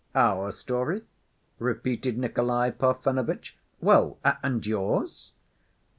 "Our story?" repeated Nikolay Parfenovitch. "Well—and yours?"